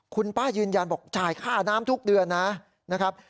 คุณป้ายืนยันบอกจ่ายค่าน้ำทุกเดือนนะครับ